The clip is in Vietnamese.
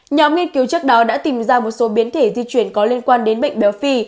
nhóm nghiên cứu trước đó đã tìm ra một số biến thể di chuyển có liên quan đến bệnh béo phì